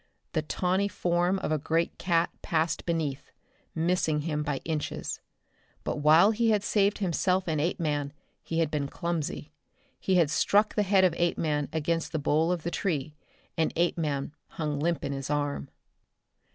The tawny form of a great cat passed beneath, missing him by inches. But while he had saved himself and Apeman, he had been clumsy. He had struck the head of Apeman against the bole of the tree, and Apeman hung limp in his arm.